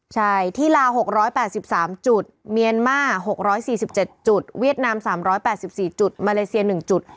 ใช่ที่ลาว๖๘๓จุดเมียนมาร์๖๔๗จุดเวียดนาม๓๘๔จุดมาเลเซีย๑จุด